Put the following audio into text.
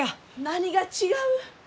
・何が違う？